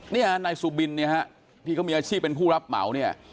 นี่ค่ะนายสุบินที่เขามีอาชีพเป็นผู้รับเหมา